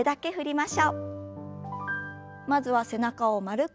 まずは背中を丸く。